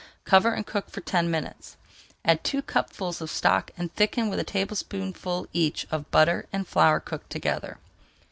Cover and cook for ten minutes. Add two cupfuls of stock and thicken with a tablespoonful each of butter and flour cooked together.